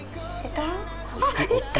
いた？